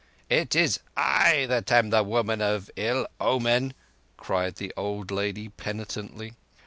"It is I that am the woman of ill omen," cried the old lady penitently.